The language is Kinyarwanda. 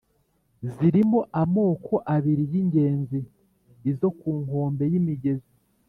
zirimo amoko abiri y’ingenzi: izo ku nkombe y’imigezi